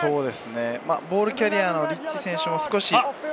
ボールキャリアーのリッチー選手も少し。